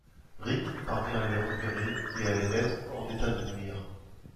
Ric parvient à les repérer et à les mettre hors d'état de nuire.